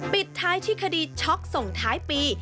ปิดท้ายที่คดีช็อกส่งท้ายปี